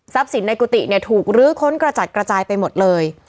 สินในกุฏิเนี่ยถูกลื้อค้นกระจัดกระจายไปหมดเลย